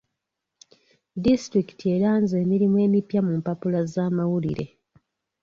Disitulikiti eranze emirimu emipya mu mpapula z'amawulire.